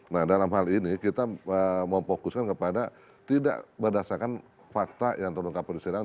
nah dalam hal ini kita memfokuskan kepada tidak berdasarkan fakta yang terungkap persidangan